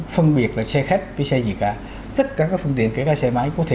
phân biệt là xe khách với xe gì cả tất cả các phương tiện kể cả xe máy có thể